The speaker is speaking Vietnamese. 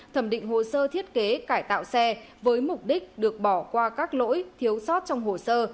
thẩm định hồ sơ thiết kế cải tạo xe với mục đích được bỏ qua các lỗi thiếu sót trong hồ sơ